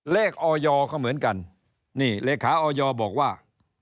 ออยก็เหมือนกันนี่เลขาออยบอกว่า